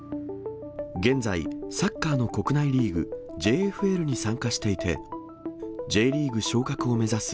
現在、サッカーの国内リーグ、ＪＦＬに参加していて、Ｊリーグ昇格を目指す